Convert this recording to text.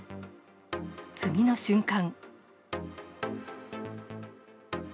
次の瞬間。